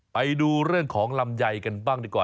ไปดูเรื่องของลำไยกันบ้างดีกว่า